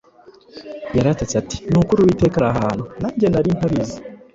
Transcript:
yaratatse ati: “Ni ukuri Uwiteka ari aha hantu; nanjye nari ntabizi